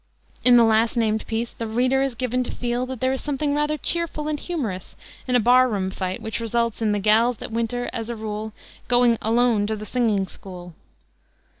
In the last named piece the reader is given to feel that there is something rather cheerful and humorous in a bar room fight which results in "the gals that winter, as a rule," going "alone to the singing school."